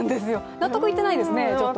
納得いってないですね、ちょっと。